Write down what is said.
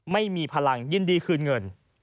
ไม่มีพลังยินดีคืนเงิน